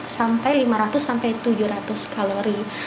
sampai lima ratus sampai tujuh ratus kalori